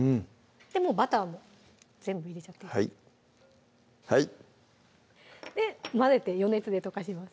バターも全部入れちゃってはい混ぜて余熱で溶かします